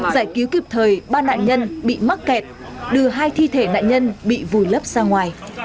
giải cứu kịp thời ba nạn nhân bị mắc kẹt đưa hai thi thể nạn nhân bị vùi lấp ra ngoài